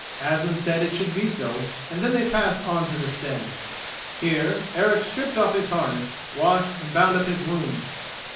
Asmund said it should be so, and then they passed on to the stead. Here Eric stripped off his harness, washed, and bound up his wounds.